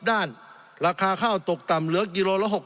สงบจนจะตายหมดแล้วครับ